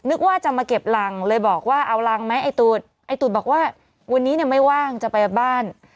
นึกว่าจะมาเก็บรังเลยบอกว่าเอารังไหมไอ้ตูดไอ้ตูดบอกว่าวันนี้เนี่ยไม่ว่างจะไปบ้าน